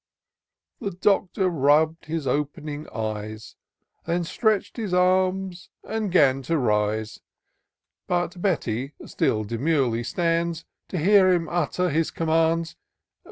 The Doctor rubb'd his op'ning eyes, Then stretch'd his arms, and 'gan to rise : But Betty still demurely stands. To hear him utter his commands.